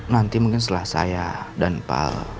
nanti mungkin setelah saya dan pak